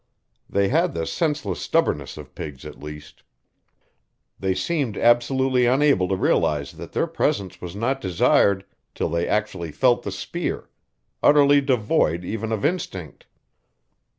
They had the senseless stubbornness of pigs, at least. They seemed absolutely unable to realize that their presence was not desired till they actually felt the spear utterly devoid even of instinct.